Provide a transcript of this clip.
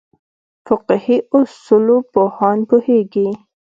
فقهې اصولو پوهان پوهېږي.